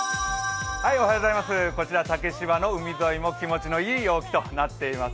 こちら竹芝の海沿いも気持ちのいい陽気となっています。